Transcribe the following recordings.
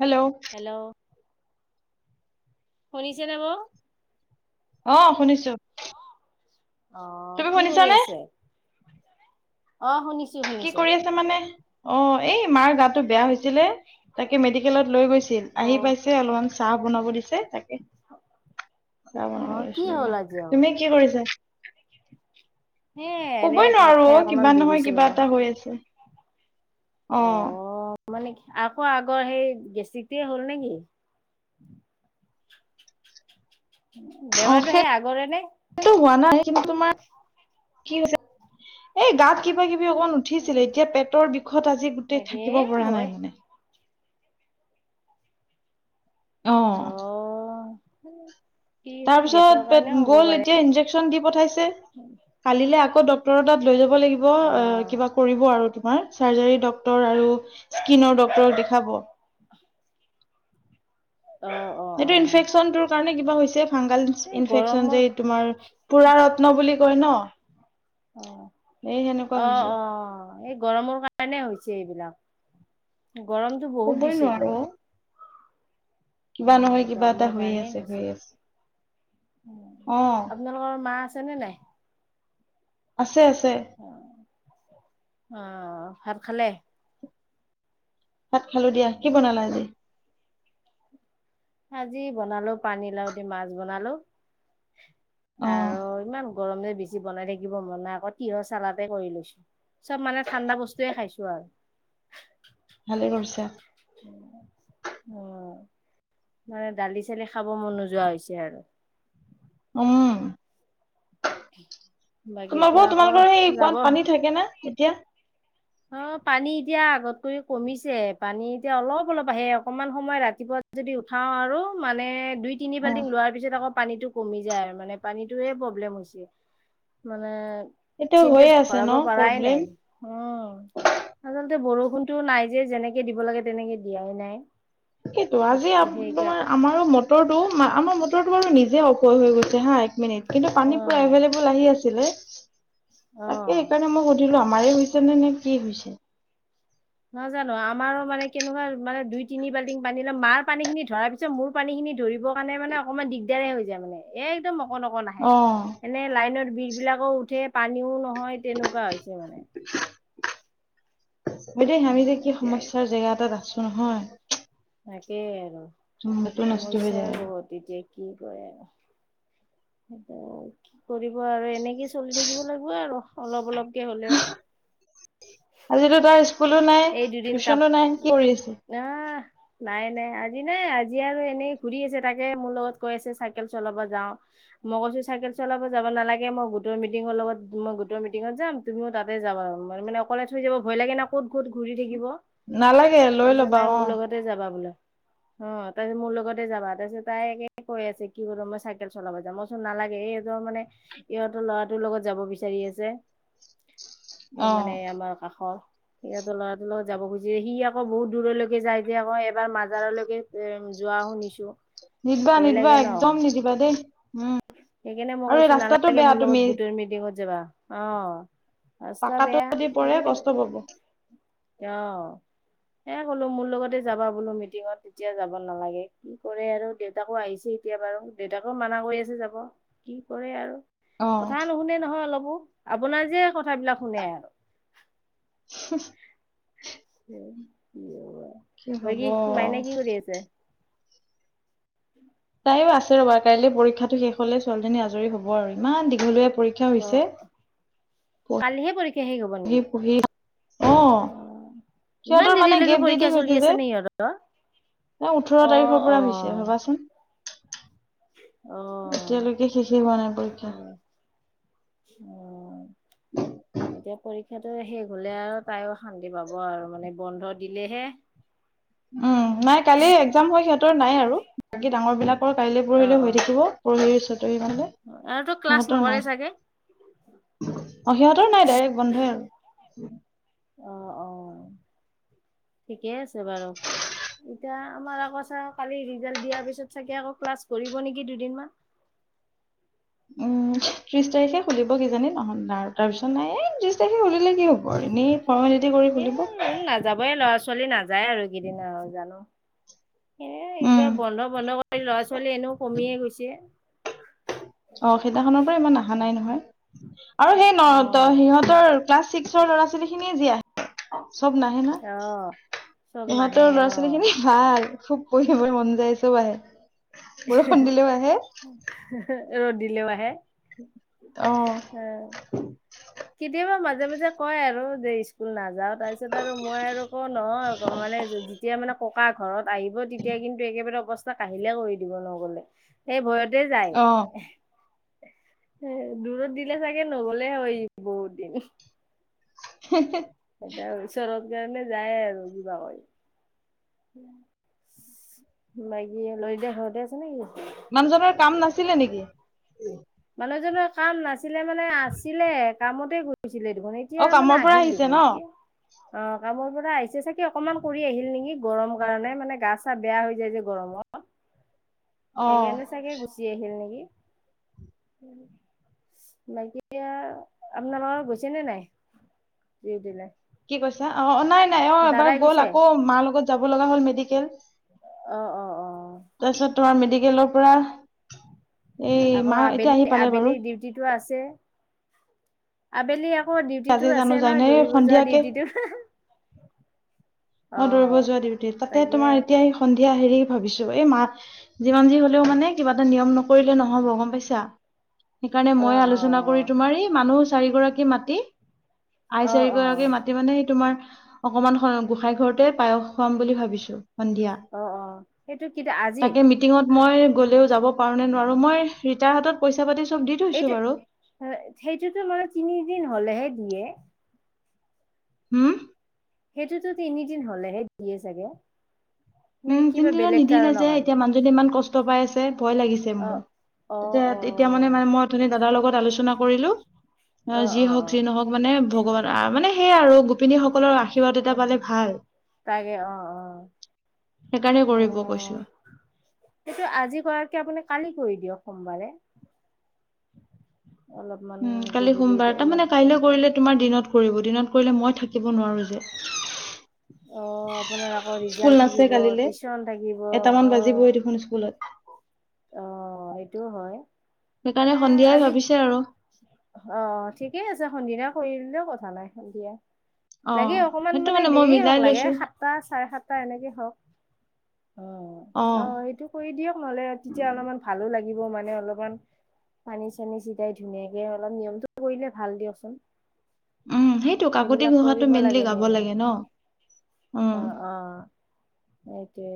Hello! Hello শুনিছেনে বও? অ', শুনিছো। অ তুমি কি কৰি শুনিছানে আছে? অ শুনিছ কি কৰি আছে মানে অ', এই মাৰ গাত টো বেয়া হৈছিলে, তাকে মেডিকেলত লৈ গৈছিল অ আহি পাইছে অলপমান চাহ বনাব দিছে। তাকে চাহ অ বনাব কি লৈছো হ'ল ৰবা। আজি আও? তুমি কি কৰিছা? [unintelligible] এনে কবই ভাত নোৱাৰো খাই অ', অকমান কিবা নহয় বহিছো ৰ'ব। কিবা এটা হৈ আছে। অ'। মানে আকৌ আগৰ সেই গেষ্টিকটো এই হ'ল নেকি? অহ বেমাৰটো সেট সেই আগৰে নে? সেইটো হোৱা নাই কিন্তু তোমাৰ কি হৈছে? এই গাত কিবা কিবি অকণ উঠিছিলে এতিয়া পেটৰ বিষত আজি গোটেই তাকে থাকিব পৰা হয়। নাই মানে। অহ। অ [unintelligible] গেছৰ তাৰপিছত কাৰণেও হ'ব গ'ল পাৰে। এতিয়া ইনজেকচন দি পঠাইছে কালিলে আকৌ ডক্টৰৰ তাত লৈ যাব লাগিব অ কিবা কৰিব আৰু তোমাৰ চাৰ্জাৰী ডক্টৰ আৰু কিনৰ ডাক্তৰক দেখাব। অ অ অ সেইটো ইনফেকচন টোৰ কাৰণে কিবা হৈছে হাংগাল এই ইনেফেকচন গৰমৰ যে তোমাৰ পু্ৰা ৰত্ন বুলি কয় ন অ এই সেনেকুৱা অহ হৈছে অ। এই গৰমৰ কাৰণে হৈছে এইবিলাক গৰমতটো বহুত কবই দিছে তো। নোৱাৰো কিবা নহয় কিবা এটা গৰমৰ হৈয়ে কাৰণেই আছে হৈছে। হৈয়ে আছ আপোনালোকৰ মা আছেনে নাই? আছে আছে অ আহ ভাত খালে? ভাত খালো দিয়া, কি বনালা আজি? আজি বনালো। পানীলাও দি মাছ বনালো। অ আৰু ইমান গৰমে বেছি বনাই থাকিব মন নাই আকৌ তিঁয়হ চালাদে কৰি লৈছো, চব মানে ঠাণ্ডা বস্তুৱে খাইছো আ। [inaudible] ভালে কৰিছা। উম। মানে দালি-চালি খাব মন নোযোৱা হৈছে আৰু। উম। বাকী এতিয়া তোমালোকৰ- আকৌ তোমালোকৰ সেই যাব কুৱাত পানী থাকে নে? এতিয়া। অ পানী এতিয়া আগতকৈ কমিছে পানী এতিয়া অলপ- অলপ আহে অকনমান সময় ৰাতিপুৱা যদি উঠাও আৰু মানে দুই তিনি অ বাল্টিং লোৱাৰ পিছত আকৌ পানীটোক কমি যায় আৰু মানে পানীটো প্ৰব্লেম হৈছে মানে এতিয়াও চিন্তেছ হৈয়ে আছে ন ভৰাব পাৰাই প্ৰব্লেম নাই। উম। আচলতে বৰষুণটো নাই যে যেনেকে দিব লাগে তেনেকে দিয়াই নাই। সেইটো আজি সেই সেইকাৰ তোমাৰ আমাৰো মটৰটো- আমাৰ মটৰটো বাৰু নিজে অফ হৈ গৈছে। হা, এক মিনিট কিন্তু অ পানী পুৰা এভেইলেবল আহি আছিলে, তাকে অ সেইকাৰণে মই সুধিলো আমাৰে হৈছে নে নে। কি হৈছে? নাজানো আমাৰো মানে কেনেকুৱা মানে দুই তিনি বালটিং পানী ল মাৰ পানী খিনি ধৰাৰ পিছত মোৰ পানী খিনি। ধৰিবৰ কাৰণে মানে অকমান দিগদাৰে হৈ যায় মানে। এই একদম অকণ অকন আহে অ এনে লাইনত বিজবিলাকো উঠে পানীও নহয় তেনেকুৱা হৈছে মানে। বাইদেউ আমি যে উম, কি এতিয়াই সমস্যাৰ জেগা এটাত আছো নহয়। তাকেই আৰু মূৰটো নষ্ট হৈ সমস্যা যায় আৰু বহুত এতিয়া কি কয় আৰু। সেই কি কৰিব আৰু এনেকে চলি থাকিব লাগিব আৰু অলপ অলপ তেতিয়া হ'লেও। আজিতো তাৰ স্কুলো নাই, এই দুদিন টিউচনো নাই, কাপ কি কৰি আছে? আহ নাই -নাই আজি নাই, আজি আৰু এনেই ঘূৰি আছে। তাকে মোৰ লগত কৈ আছে চাইকেল চলাব যাওঁ। মই কৈছো চাইকেল চলাব যাব নালাগে মই গোটৰ মিটিঙত লগত মই গোটৰ মিটিঙত যাম তুমিও তাতে যাবা। মানে অকলে থৈ যাব ভয় লাগে না। ক'ত -ক'ত ঘূৰি থাকিব। নালাগে লৈ ল'বা। অ, [inaudible] অ, তাৰ পিছত মোৰ লগতে যাবা। তাৰপিছত মোৰ লগতে যাব তাৰপাছত তাইে কৈ আছে কি কৰো মই চাইকেল চলাবা যাম। মইচোন নালাগে এই ৰ'দত। মানে ইহঁতৰ ল'ৰাটোৰ লগত যাব বিচাৰি আছে। অ মানে আমাৰ কাষৰ সিহঁতৰ লৰাটোৰ লগত যাব খুজিছে সি আকৌ বহুত দূৰলৈকে যায় যে অক এবাৰ মাজাৰলৈকে যোৱা মা শুনিছো। নিদিবা ভয় নিদিবা লাগে ন একদম নিদিবা দেই। উম। সেইকাৰণে মই আৰু এই কৈছো ৰাস্তাটো নালাগে বেয়া মোৰ তুমি লগত গোটৰ মিটিঙত যাবা, অঁ। ৰাস্তা পাকাটো বেয়া যদি পৰে সেইকাৰনে কষ্ট পাব আহ। এ ক'লো মোৰ লগতে যাবা বোলো মিটিঙত তেতিয়া যাব নালাগে, কি কৰে আৰু দেউতাকো আহিছেই। কেতিয়া বাৰু দেউতাকে মানা কৰি আছে যাব, কি কৰে আৰু অ কথা নুশুনে নহয় অলপো, আপোনাৰ যে কথাবিলাক শুনে [inaudible] হ। বাকী মাইনা হব কি কৰি আছে? তাইও আছে ৰবা কাইলৈ পৰীক্ষাটো শেষ হলে ছোৱালীজনী আজৰি হ'ব আৰু। ইমান দীঘলীয়া পৰীক্ষা অ হৈছে। স শেষ হ'ব পঢ়ি নেকি? পঢ়ি অ, ইমান সিহঁতৰ মানে দেৰিলৈকে গেপ দি দি পৰীক্ষা হৈছে চলি যে আছে নে সিহঁতৰ। এ ওঠৰ অ তাৰিখৰ অ পৰা হৈছে ভাবাচোন! অ এতিয়ালৈকে শেষে হোৱা নাই পৰীক্ষা। সেই অ এতিয়া পৰীক্ষা সিহঁতোৰো শেষ হলে আৰু তাইও শান্তি পাব আৰু মানে বন্ধ দিলেহে। উম, নাই কালি একজাম হয় সিহঁতৰ নাই আৰু বাকী ডাঙৰ বিলাক কৰ কাইলে অ পৰহিলে অ হৈ থাকিব পৰহি, চতহি মানলে আৰু তো ক্লাছ সিহঁতৰ নকৰে নাই। চাগে? অ, সিহঁতৰো নাই ডাইৰেক্ট বন্ধই আৰু। অ অ ঠিকেই আছে বাৰু এতিয়া আমাৰ আকৌ চাও কালি ৰিজালট দিয়াৰ পিছত চাগে আকৌ ক্লাছ কৰিব নেকি দুদিনমান। [inaudible] উম, ত্ৰিছ তাৰিখে খুলিব কিজানি নহন না আৰু তাৰপিছত নাই এই ত্ৰিছ তাৰিখে খুলিলে কি হ'ব আৰু এনেই ফৰ্মেলিটি কৰি সেই খুলিব আৰু নাযাবয়ে ল'ৰা-ছোৱালী নাযায় আৰু এই দিনা আৰু জানো সেয়াই এইবিলাক উম বন্ধ-বন্ধ কৰি লৰা- ছোৱা লী এনেও কমিয়ে গৈছে। অ সেইদিনাখনৰ পৰা ইমান অহা নাই নহয় আৰু সেই ন অ'। সিহঁতৰ ক্লাছ ছিক্সৰ ল'ৰা-ছোৱালী খিনিয়ে জি আহে। চব নাহে অ', নহয় চব নাহে সিহঁতৰ ল'ৰা-ছোৱালী অ', খিনি ভাল। খুব পঢ়িবই মন যায় চব আহে। বৰষুণ দিলেও আহে ৰ'দিলেও আহে আহ অ'। কেতিয়াবা মাজে মাজে কয় আৰু যে স্কুল নাযাও। তাৰপিছত আৰু মই আৰু ক ন মানে যেতিয়া মানে ককা ঘৰত আহিব তেতিয়া কিন্তু একেবাৰে অৱস্থা কাহিলে কৰি দিব নগলে সেই ভয়ত যায় অ দূৰত দিলে চাগে নগলে হয় বহুত দিন [unintelligible] এটাই ওচৰৰত কাৰণে যায় আৰু কিবা কয় বাকী ললিতে ঘৰতে আছে নেকি মানুহজনৰ কাম নাছিলে নেকি মানুহজনৰ কাম নাছিলে মানে আছিলে কামতে গৈছিল ছিলে দেখোন অ এতিয়া মানে কামৰ পৰা আহিল আহিছে দেখোন ন কি অ কামৰ পৰা আহিছে চাগে অকমান কৰি আহিল নেকি গৰম কাৰণে মানে গা চা বেয়া হৈ যায় যে গৰমত [unintelligible] অ সেইকাৰণে চাগে গুচি আহিল নেকি [unintelligible] দি দিলে কি কৈছা অ নাই নাই অ এবাৰ গ'ল গৈছে আকৌ মাৰ লগত যাব লগা হ'ল মেডিকেল অ অ অ তাৰপিছত তোমাৰ মেডিকেলৰ পৰা এই আকৌ মা এতিয়া আবেলি আহি পালে বাৰু আবেলি ডিউটিটো আছে। অ ডিউটিটো আজি জানো আছে যাই নহয় নে দৌৰিব যোৱা সন্ধিয়াকে ডিউটিটো অ দৰিব যোৱা ডিউটি দে তাতে তাকে তোমাৰ এতিয়া স সন্ধিয়া হেৰি ভাবিছো এই মা। যিমান যি হ'লেও মানে কিবা এটা নিয়ম নকৰিলে নহ'ব গম পাইছা। সেইকাৰণে অ মই অ আলোচনা কৰি তোমাৰ এই মানুহ চাৰিগৰাকী মাতি আই অ অ চাৰিগৰাকী মাতি মানে সেই তোমাৰ অকমান গোসাই ঘৰতে পায়স খুৱাম বুলি ভাবিছোঁ। সন্ধিয়া, অ অ অ সেইটো কি আজি তাকে মিটিঙত মই গ'লেও যা পাৰোঁ নে নোৱাৰোঁ, মই ৰিতাৰ হাতত পইচা পাতি চব দি থৈছো এইটো, বাৰু সেইটোতো মানে তিনিদিন হলেহে দিয়ে। উম? সেইটোতো তিনিদিন হলেহে দিয়ে চাগে। নে উম কিবা তিনিদিনৰত বেলেগ নিদিলে কাৰণৰ যে কাৰণে এতিয়া মানুহজন ইমান কষ্ট ত' পাই আছে ভয় লাগিছে অ মোৰ, অ এয়া অ এতিয়া মানে মা মই অথনি দাদাৰ লগত আলোচনা কৰিলোঁ, আহ অ যি অ হওক যি নহওক মানে ভগৱান আহ মানে সেয়া আৰু শিপিনীসকলৰ আশীৰ্বাদ এটা অ পালে ভাল। তাকে অ অ সেইকাৰণে কৰিব কৈছো অ', সেইটো আজি কৰাতকে আপুনি কালি কি কৰি দিয়ক সোমবাৰে। অলপমান উম কাইলে গধূলি সোমবাৰ টাইমত তাৰমানে কাইলে কৰিলে তোমাৰ দিনত কৰিব দিনত কৰিলে মই থাকি কিব নোৱাৰোঁ যে। অ', আপোনাৰ আকৌ স্কুল ৰিজাল্ট নাছে থাকিব কালিলে টিউচন থাকিব এটামান অ, বাজিবই [unintelligible] অ এইটোও হয় সেইকাৰণে মানে সন্ধিয়াই আজি ভাবিছে আৰু অ ঠিকেই আছে সন্ধিয়া কৰিলে ক নে দিয়ে অ লাগে অকমান সেইটো মানে মই দেৰি হওক মিলাই লাগে লৈছো সাতটা চাৰে সাতটা এনেকে হওক অ অ অ সেইটো কৰি দিয়ক নহ'লে তেতিয়া অলপমান ভালো লাগিব মানে অলপমান পানী চানী চিধাই ধুনীয়াকে অলপ নিয়মটো কৰিলে ভাল দিয়কচোন উম সেইটো কাকতি এইবিলাক ঘুহাটো কৰিব মেইনলি গাব নিয়ম। লাগে ন উম অ অ সেইটোয়ে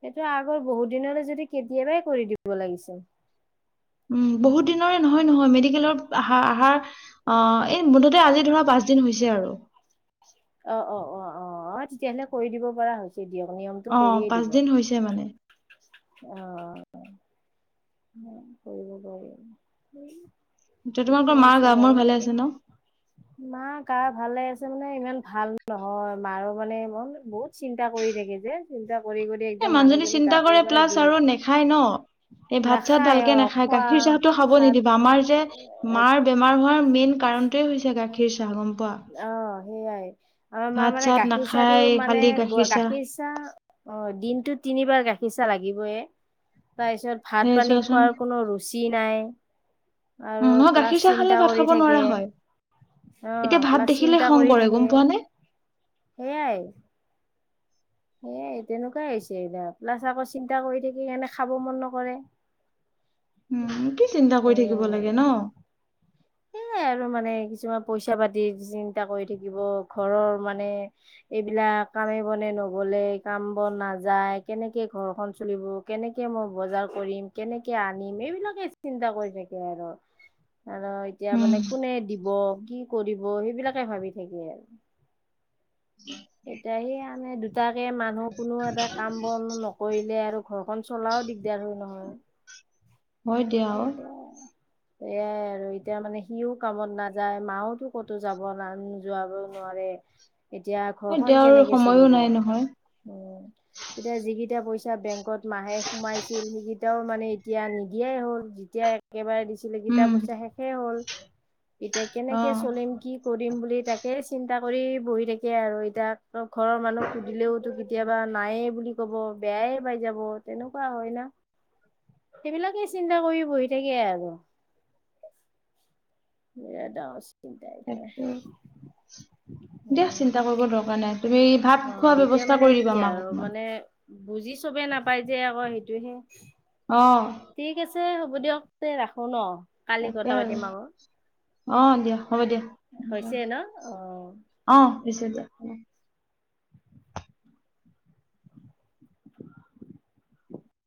সেইটো আগৰ বহুত দিনলৈ যদি কেতি বাই কৰি দিব লাগিছিল উম বহুত দিনৰে নহয় নহয় মেডিকেলৰ আহা আহাৰ অ এই ম আজি ধৰা পাঁচ দিন হৈছে আৰু অ অ অ অ অ তেতিয়াহলে কৰি দিব পৰা হৈছে দিয়ক নিয়মটো অ কৰিয়ে দিব। পাঁচদিন হৈছে মানে অ কৰিব পাৰি আৰু ত তোমালোকৰ ঠিকে মাৰ আছে গা মূৰ বাৰু, ভালে এতিয়া আছে ন মাৰ গা ভালে আছ সেইকাৰণে মানে ইমান ভাল নহয় মাৰো মানে মোৰ বহুত চিন্তা কৰি থাকে যে চিন্তা কৰি কৰি এ একদম মানুহজনী চিন্তা গাটো কৰে মানে দু প্লাছ আৰু নেখায় ন ভাত চাত নাখায় অ ভালকে নাখায় খোৱা গাখীৰ চাহটো খাব ভাত নিদিবা আমাৰ যে মাৰ বেমাৰ হোৱাৰ মেইন কাৰণটোৱেই হৈছে গাখীৰ চাহ গম পোৱা ন নাই আমাৰ মাৰ ভাত মানে চাত গাখীৰ চাহটো নাখায় মানে খালি গাখীৰ চাহ অ দিনতটো তিনিবাৰ গাখীৰ চাহ লাগে তাৰপিছত ভাত সেই পানী চোৱাচোন খোৱাৰ কোনো ৰুচি নাই আৰু উম নহয় প্লাছ গাখীৰ চাহ খালে চিন্তা ভাত কৰি খাব নোৱাৰা থাকে, হয় অ, এতিয়া ভাত দেখিলে চিন্তা খং কৰি কৰে গম থাকে পোৱা নে সেইয়াই সেইয়াই তেনেকুৱাই হৈছে এইবাৰ, প্লাছ আকৌ চিন্তা কৰি থাকিলে এনে খাব মন নকৰে। [inaudible] উম কি চিন্তা কৰি সেয়াই থাকিব আৰু লাগে ন [unintelligible] আৰু মানে কিছুমা পইচা পাতি চিন্তা কৰি থাকিব ঘৰৰ মানে এইবিলাক কামে বনে নগলে কাম বন নাযায় কেনেকে ঘৰখন চলিব কেনেকে মই বজাৰ কৰিম কেনেকে আনিম এইবিলাকে চিন্তা কৰি থাকে আৰু আৰ এতিয়া উম মানে কোনে দিব কি কৰিব সেইবিলাকে ভাবি থাকে আৰ। এতিয়াহে আনে দুদ তাকে মানুহ কোনো এটা কাম বন নকৰিলে আৰু ঘৰখন চলাও দিগদাৰ হয় নহয়। হয় দিয়া অ। এয়াই আৰু এতিয়া মানে সিও কামত নাযায় মাওতো ক'তো যাব নান যোৱাব নোৱাৰে। এ এতিয়া হয় ঘৰখন দিয়া আৰু কেনেকে সময়ো চলিব? নাই নহয় এ এতিয়া যিকেইটা পইচা বেংকত মাহে সোমাইছিল সেইকেইটাও মানে এতিয়া নিদিয়াই হ'ল যেতিয়া একেবাৰে দিছিলে কিতাপ উম পইচা শেষেই হ'ল। এতিয়া অ কেনেকে চলিম কি কৰিম বুলি তাকে চিন এটা কৰি বহি থাকে আৰু এতিাক ঘৰৰ মানুহক সুধিলেওতো কেতিয়াবা নায়ে বুলি গব বেয়াই পাই যাব তেনেকুৱা হয় না সেইবিলাকে। চিন্তা কৰি বহি থাকে আৰু বি ডাঙ ডাইটাৰ তাকে দিয়া চিন্তা কৰিব দৰকাৰ নাই তুমি ভাত অ' খোৱা এতিয়া ব্যৱস্থা মানে কৰি কি দিবা আমাক আৰু অকণমান। মানে বুজি চবেই নাপায় যে আকৌ সেইটোহে। অ ঠিক আছে হ'ব দিয়ক তে ৰাখো ন? কালি তাকে কথা আৰু পাতিম আকৌ অ দিয়া হ'ব দিয়া। হৈছে ন' অ'। অ পিছে দিয়া।